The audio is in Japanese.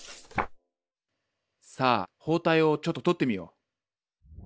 さあ包帯をちょっと取ってみよう。